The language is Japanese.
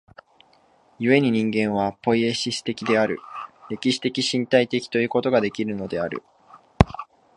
故に人間はポイエシス的である、歴史的身体的ということができるのである。